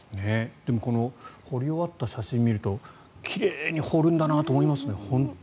でもこの掘り終わったあとの写真を見ると奇麗に掘るんだなと思いますね。